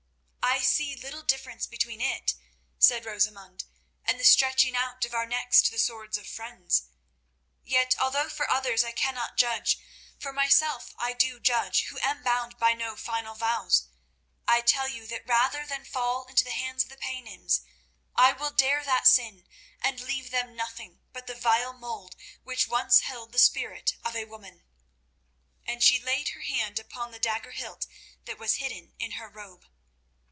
"I see little difference between it," said Rosamund, "and the stretching out of our necks to the swords of friends. Yet, although for others I cannot judge, for myself I do judge who am bound by no final vows. I tell you that rather than fall into the hands of the Paynims, I will dare that sin and leave them nothing but the vile mould which once held the spirit of a woman." And she laid her hand upon the dagger hilt that was hidden in her robe.